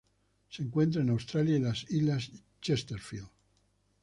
Se encuentra en Australia y las Islas Chesterfield.